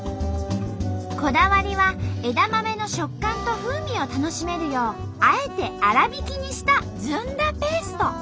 こだわりは枝豆の食感と風味を楽しめるようあえて粗びきにしたずんだペースト。